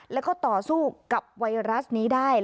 แล้วก็ต่อสู้กับไวรัสนี้ได้